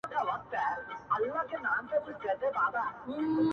د ښار د ميکدې ترخو اوبو ته انتظار دي,